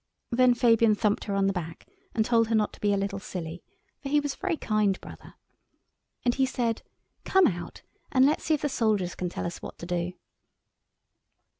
Then Fabian thumped her on the back and told her not to be a little silly, for he was a very kind brother. And he said— "Come out and let's see if the soldiers can tell us what to do."